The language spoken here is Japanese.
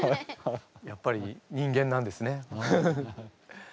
やっぱり人間なんですねフフフ。